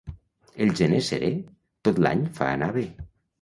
El gener serè tot l'any fa anar bé.